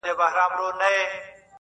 • د بادار تر چړې لاندي یې انجام وي -